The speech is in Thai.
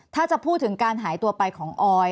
ถ้าจะพูดถึงการหายตัวไปของออย